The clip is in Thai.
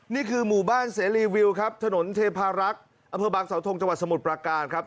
นี่คือหมู่บ้านเสรีวิวครับถนนเทพารักษ์อำเภอบางสาวทงจังหวัดสมุทรประการครับ